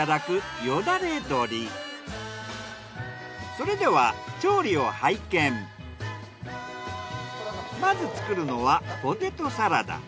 それではまず作るのはポテトサラダ。